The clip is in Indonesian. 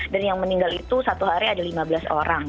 dan yang meninggal itu satu hari ada lima belas orang